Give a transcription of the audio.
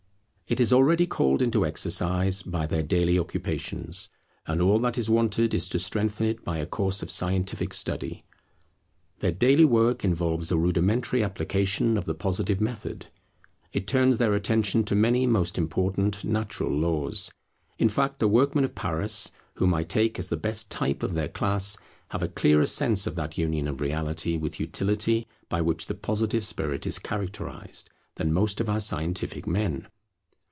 It is already called into exercise by their daily occupations; and all that is wanted is to strengthen it by a course of scientific study. Their daily work involves a rudimentary application of the Positive method: it turns their attention to many most important natural laws. In fact, the workmen of Paris, whom I take as the best type of their class, have a clearer sense of that union of reality with utility by which the Positive spirit is characterized, than most of our scientific men.